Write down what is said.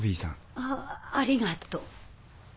あありがとう。